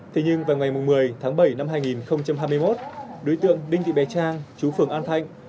thế nhưng vào ngày một mươi tháng bảy năm hai nghìn hai mươi một đối tượng đinh thị bé trang chú phường an thạnh